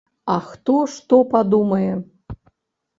А хто што падумае?